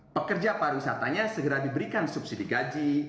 pekerja pariwisatanya segera diberikan subsidi gaji